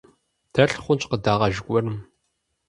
Дэлъ хъунщ къыдэгъэж гуэрым.